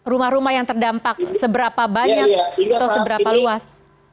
rumah rumah yang terdampak seberapa banyak atau seberapa luas